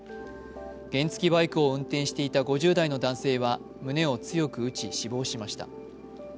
原付きバイクを運転していた５０代の男性は胸を強く打ち、死亡しました。